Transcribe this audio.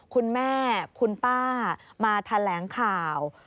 คุณแม่คุณป้ามาแถลงข่าว